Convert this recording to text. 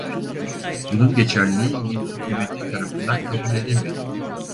Bunun geçerliliği İngiliz hükûmeti tarafından kabul edilmedi.